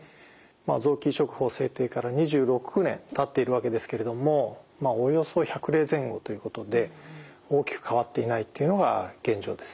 臓器移植法制定から２６年たっているわけですけれどもおよそ１００例前後ということで大きく変わっていないっていうのが現状です。